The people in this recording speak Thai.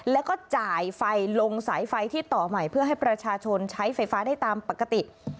แล้วก็จ่ายไฟลงสายไฟที่ต่อใหม่เพื่อให้ประชาชนใช้ไฟฟ้าได้ตามปกติ